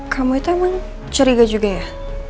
kamu itu emang curiga juga ya